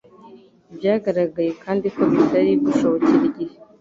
Byagaragaye kandi ko bitari gushobokera igihe